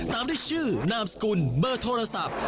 ตามด้วยชื่อนามสกุลเบอร์โทรศัพท์